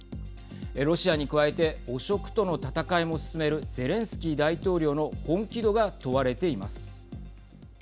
ロシアに加えて汚職との戦いも進めるゼレンスキー大統領の本気度が問われています。